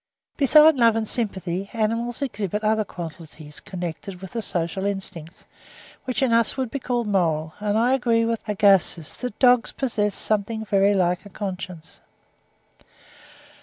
Besides love and sympathy, animals exhibit other qualities connected with the social instincts, which in us would be called moral; and I agree with Agassiz (16. 'De l'Espèce et de la Classe,' 1869, p. 97.) that dogs possess something very like a conscience.